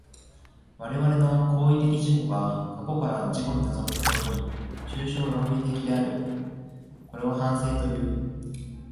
我々の行為的自己が過去から自己に臨む所に、抽象論理的である。これを反省という。